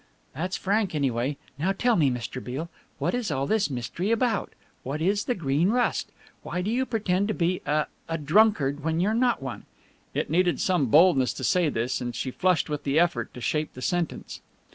"That's frank, anyway. Now tell me, Mr. Beale, what is all this mystery about? What is the Green Rust? Why do you pretend to be a a drunkard when you're not one?" (It needed some boldness to say this, and she flushed with the effort to shape the sentence.)